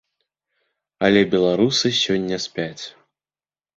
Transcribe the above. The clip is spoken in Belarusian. Але беларусы сёння спяць.